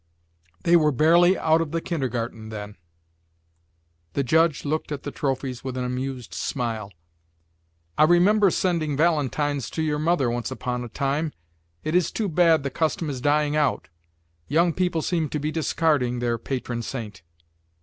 They were barely out of the kindergarten then." The judge looked at the trophies with an amused smile. "I remember sending valentines to your mother once upon a time. It is too bad the custom is dying out. Young people seem to be discarding their patron saint."